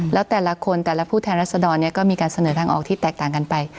แล้วแต่ละคนแต่ละผู้แทนรัศดรก็มีการเสนอทางออกที่แตกต่างกันไป